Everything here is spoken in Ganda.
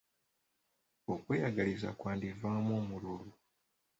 Okweyagaliza kwandivaamu omululu.